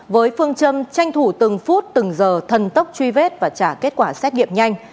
với phương châm tranh thủ từng phút từng giờ thần tốc truy vết và trả kết quả xét nghiệm nhanh